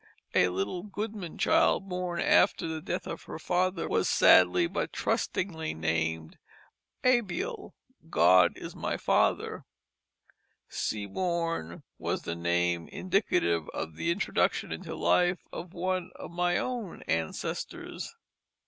A little Goodman child, born after the death of her father, was sadly but trustingly named Abiel God is my father. Seaborn was the name indicative of the introduction into life of one of my own ancestors.